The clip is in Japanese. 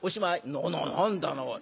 「なな何だなおい。